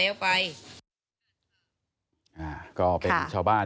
เผื่อเขายังไม่ได้งาน